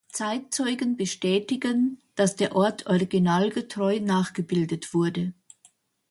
Zeitzeugen bestätigen, dass der Ort originalgetreu nachgebildet wurde.